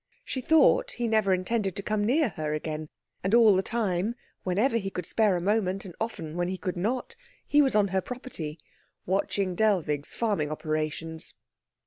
She thought he never intended to come near her again, and all the time, whenever he could spare a moment and often when he could not, he was on her property, watching Dellwig's farming operations.